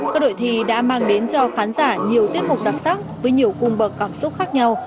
các đội thi đã mang đến cho khán giả nhiều tiết mục đặc sắc với nhiều cung bậc cảm xúc khác nhau